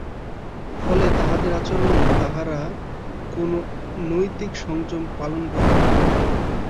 ফলে তাঁহাদের আচরণে তাঁহারা কোন নৈতিক সংযম পালন করেন না।